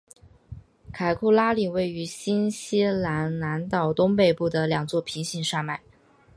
凯库拉岭位于新西兰南岛东北部的两座平行山脉。